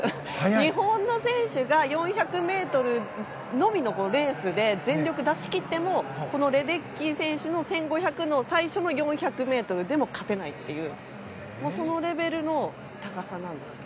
日本の選手が４００ｍのみのレースで全力を出し切ってもレデッキー選手の１５００の最初の４００ｍでも勝てないというそのレベルの高さなんです。